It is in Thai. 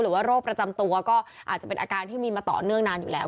โรคประจำตัวก็อาจจะเป็นอาการที่มีมาต่อเนื่องนานอยู่แล้ว